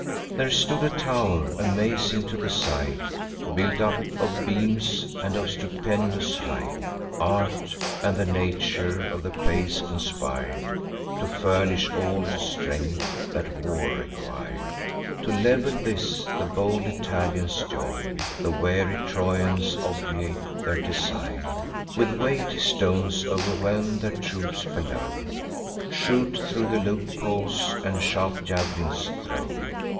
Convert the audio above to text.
There stood a tow'r, amazing to the sight, Built up of beams, and of stupendous height: Art, and the nature of the place, conspir'd To furnish all the strength that war requir'd. To level this, the bold Italians join; The wary Trojans obviate their design; With weighty stones o'erwhelm their troops below, Shoot thro' the loopholes, and sharp jav'lins throw.